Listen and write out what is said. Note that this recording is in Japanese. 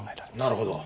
なるほど。